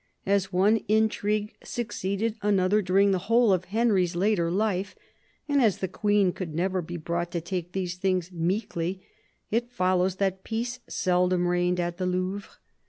As one intrigue succeeded another during the whole of Henry's later life, and as the Queen could never be brought to take these things meekly, it follows that peace seldom reigned at the Louvre.